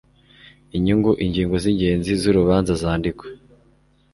inyungu ingingo z ingenzi z urubanza zandikwa